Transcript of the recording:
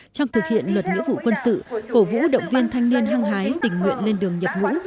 trong thực hiện luật nghĩa vụ quân sự cổ vũ động viên thanh niên hăng hái tình nguyện lên đường nhập ngũ